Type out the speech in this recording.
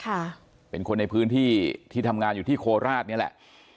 ค่ะเป็นคนในพื้นที่ที่ทำงานอยู่ที่โคราชนี่แหละ